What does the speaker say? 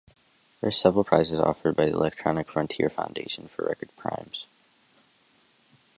There are several prizes offered by the Electronic Frontier Foundation for record primes.